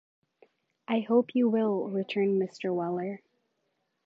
'I hope you will,’ returned Mr. Weller.